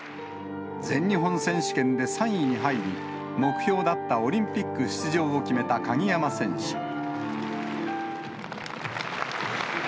全日本選手権で３位に入り、目標だったオリンピック出場を決めた鍵山選手。